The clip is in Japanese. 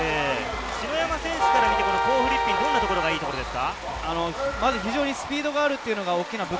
篠山選手から見て、コー・フリッピン選手、どんなところがいいですか？